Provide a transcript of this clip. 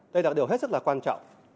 đây là điều hết sức là quan trọng